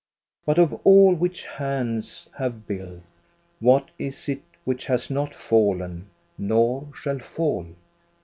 But of all which hands have built, what is it which has not fallen, nor shall fall?